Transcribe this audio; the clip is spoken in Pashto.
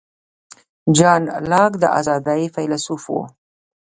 جان لاک د آزادۍ فیلیسوف و.